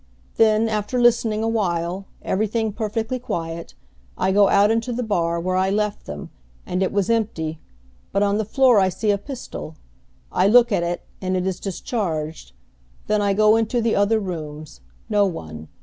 Then, after listening a while, everything perfectly quiet, I go out into the bar where I left them and it was empty; but on the floor I see a pistol; I look at it and it is discharged; then I go into the other rooms, no one.